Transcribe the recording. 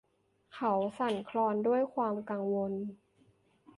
เขาสั่นคลอนด้วยความกังวล